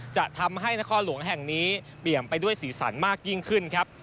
จะทำให้นครหลวงแห่งนี้เบี่ยมไปด้วยสีสันมากยิ่งขึ้นครับ